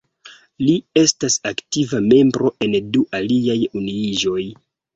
Li estas aktiva membro en du aliaj unuiĝoj.